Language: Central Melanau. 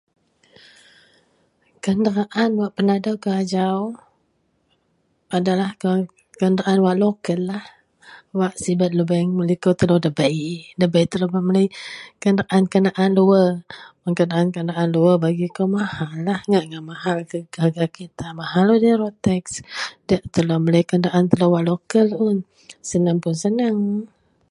A paling cun bila telou taao pasel penyakit itoulah doktor. Telou mebawen doktor wak inou ji penyakit itou jegem ketantan gaya bak mubat penyakit yen. So a paling diyak bak tebawen telou yenah doktor